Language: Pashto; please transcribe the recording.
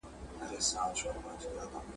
شپې تر سهاره یې سجدې کولې ,